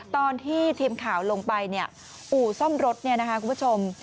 ตอนที่ทีมข่าวลงไปอู่ซ่อมรถนะคะคุณผู้ชม